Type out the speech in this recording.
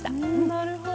なるほど！